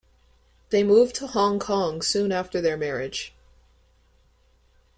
They moved to Hong Kong soon after their marriage.